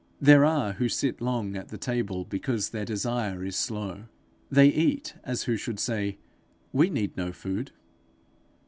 There are who sit long at the table because their desire is slow; they eat as who should say, We need no food.